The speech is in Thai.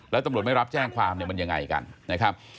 แล้วตำรวจไม่รับแจ้งความมันยังไงกัน